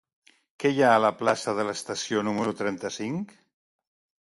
Què hi ha a la plaça de l'Estació número trenta-cinc?